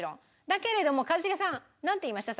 だけれども一茂さんなんて言いました？